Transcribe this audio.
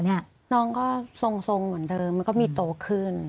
น้องก็ทรงเหมือนเดิมมันก็มีโตขึ้น